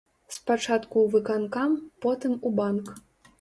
Спачатку ў выканкам, потым у банк.